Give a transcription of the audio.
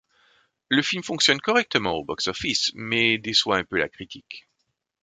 Le film fonctionne correctement au box-office, mais déçoit un peu la critique.